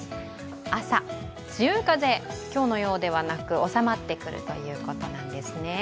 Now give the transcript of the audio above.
朝、強い風、今日のようではなく収まってくるということなんですね。